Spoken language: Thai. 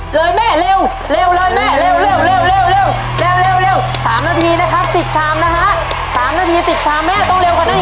เลยแม่เร็วเร็วเลยแม่เร็วเร็วเร็วเร็ว